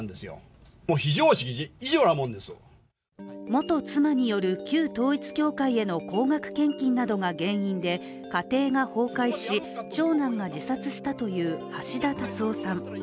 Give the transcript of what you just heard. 元妻による旧統一教会への高額献金などが原因で家庭が崩壊し、長男が自殺したという橋田達夫さん。